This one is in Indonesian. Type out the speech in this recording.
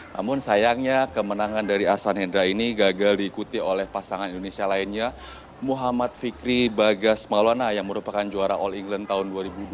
namun sayangnya kemenangan dari asan hendra ini gagal diikuti oleh pasangan indonesia lainnya muhammad fikri bagas maulana yang merupakan juara all england tahun dua ribu dua puluh